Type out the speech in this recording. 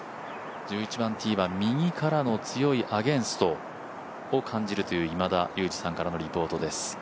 １１番ティーは右からの強いアゲンストを感じるという今田竜二さんからのリポートです。